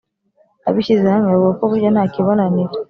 Abishyizehamwe bavuga ko burya ntakibananira